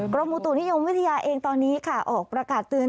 อุตุนิยมวิทยาเองตอนนี้ค่ะออกประกาศเตือน